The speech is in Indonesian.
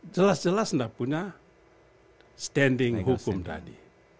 jelas jelas tidak punya standing hukum tadi